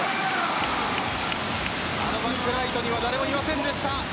あのバックライトには誰もいませんでした。